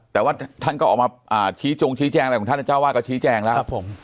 แต่ว่าท่านก็ออกมาชี้จงชี้แจงอะไรของท่านเจ้าวาดก็ชี้แจงแล้ว